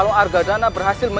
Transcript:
kau mau ke mana hubnehmer